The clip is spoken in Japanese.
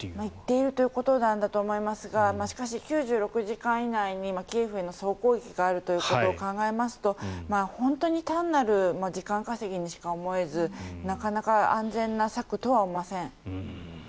行っているということなんだと思いますがしかし、９６時間以内にキエフへの総攻撃があるということを考えますと本当に単なる時間稼ぎにしか思えずなかなか安全な策とは思えません。